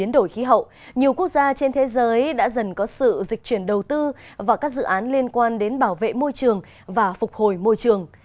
thật ra trên thế giới đã dần có sự dịch chuyển đầu tư vào các dự án liên quan đến bảo vệ môi trường và phục hồi môi trường